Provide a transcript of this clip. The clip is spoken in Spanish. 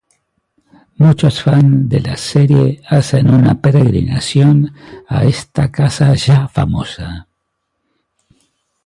Muchos fans de la serie hacen una peregrinación a esta casa ya famosa.